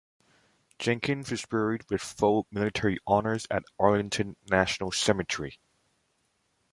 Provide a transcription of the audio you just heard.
Jenkins was buried with full military honors at Arlington National Cemetery.